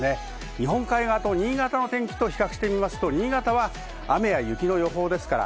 日本海側と新潟の天気と比較すると新潟は雨や雪の予報です。